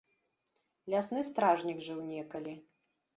Лясны стражнік жыў некалі.